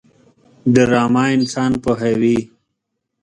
ډرامه انسان پوهوي